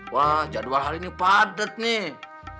wah jadwal hari ini padat nih